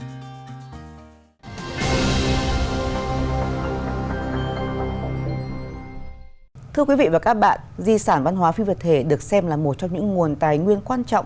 thưa quý vị và các bạn di sản văn hóa phi vật thể được xem là một trong những nguồn tài nguyên quan trọng